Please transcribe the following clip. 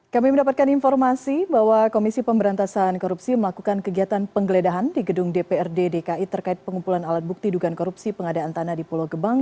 kami mendapatkan informasi bahwa komisi pemberantasan korupsi melakukan kegiatan penggeledahan di gedung dprd dki terkait pengumpulan alat bukti dugaan korupsi pengadaan tanah di pulau gebang